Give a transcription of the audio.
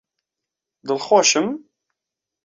دڵخۆشم!